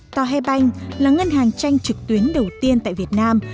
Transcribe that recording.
tòa hè banh là ngân hàng tranh trực tuyến đầu tiên tại việt nam